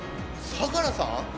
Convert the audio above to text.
相良さん？